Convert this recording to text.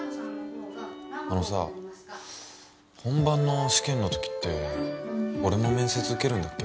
あのさ本番の試験のときって俺も面接受けるんだっけ？